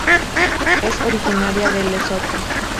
Es originaria de Lesoto.